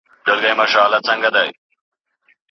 د علم د خپرولو لپاره د هري وسيلې کار واخلئ.